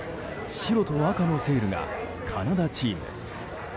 白と赤のセールがカナダチーム。